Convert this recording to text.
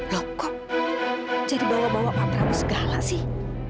loh kok jadi bawa bawa abramu segala sih